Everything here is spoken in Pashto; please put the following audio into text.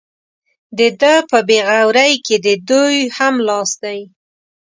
د ده په بې غورۍ کې د دوی هم لاس دی.